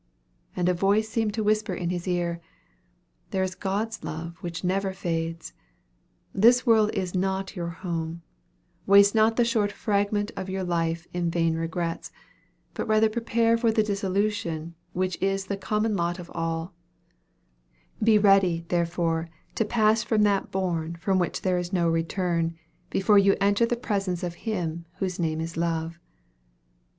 And a voice seemed to whisper in his ear, "There is God's love which never fades; this world is not your home; waste not the short fragment of your life in vain regrets, but rather prepare for that dissolution which is the common lot of all; be ready, therefore, to pass to that bourne from which there is no return, before you enter the presence of Him whose name is Love."